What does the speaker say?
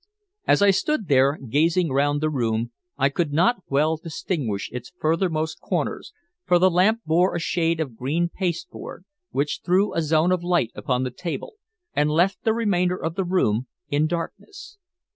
As I stood there, gazing round the room, I could not well distinguish its furthermost corners, for the lamp bore a shade of green paste board, which threw a zone of light upon the table, and left the remainder of the room in darkness.